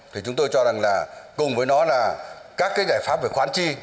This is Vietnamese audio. thì chúng tôi cho rằng là cùng với nó là các cái giải pháp về khoán chi